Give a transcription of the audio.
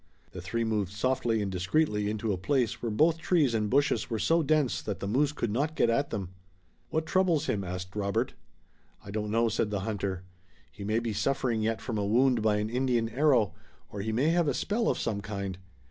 The three moved softly and discreetly into a place where both trees and bushes were so dense that the moose could not get at them. "What troubles him?" asked Robert. "I don't know," said the hunter. "He may be suffering yet from a wound by an Indian arrow, or he may have a spell of some kind.